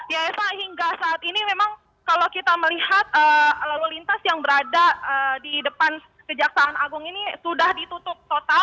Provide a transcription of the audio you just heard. ya eva hingga saat ini memang kalau kita melihat lalu lintas yang berada di depan kejaksaan agung ini sudah ditutup total